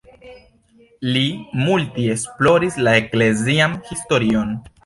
Li multe esploris la eklezian historion.